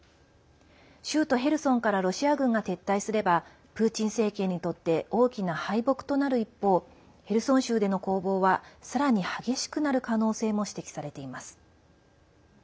州都ヘルソンからロシア軍が撤退すればプーチン政権にとって大きな敗北となる一方ヘルソン州での攻防はさらに激しくなる可能性も指摘されています。